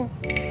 itu gak penting